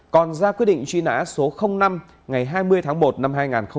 còn ra quyết định truy nã số năm ngày hai mươi tháng một năm hai nghìn một mươi